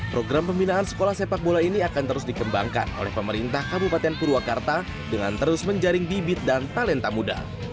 program pembinaan sekolah sepak bola ini akan terus dikembangkan oleh pemerintah kabupaten purwakarta dengan terus menjaring bibit dan talenta muda